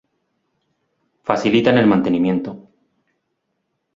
Facilitan el mantenimiento.